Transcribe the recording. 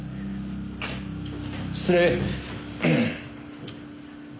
失礼。